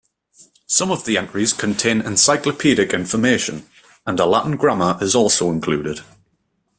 Some of the entries contain encyclopedic information, and a Latin grammar is also included.